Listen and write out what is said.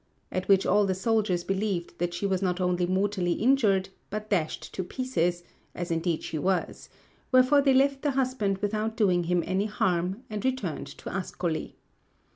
At which all the soldiers believed that she was not only mortally injured, but dashed to pieces, as indeed she was; wherefore they left the husband without doing him any harm, and returned to Ascoli.